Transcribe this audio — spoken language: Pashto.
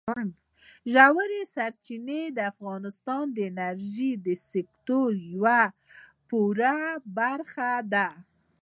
ژورې سرچینې د افغانستان د انرژۍ د سکتور یوه پوره برخه ده.